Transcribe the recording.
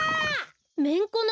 めんこの。